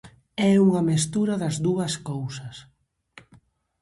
É unha mestura das dúas cousas.